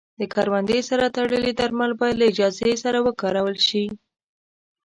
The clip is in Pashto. د کروندې سره تړلي درمل باید له اجازې سره وکارول شي.